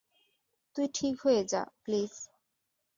তুই ঠিক হয়ে যা, প্লিজ।